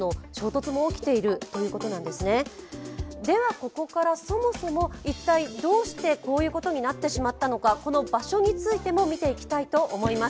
ここから、そもそも一体どうしてこういうことになってしまったのかこの場所についても見ていきたいと思います。